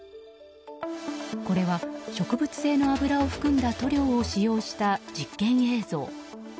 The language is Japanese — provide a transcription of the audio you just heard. これは植物性の油を含んだ塗料を使用した実験映像。